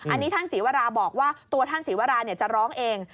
อันนี้ท่านศรีวราบอกว่าตัวท่านศรีวราจะร้องเอง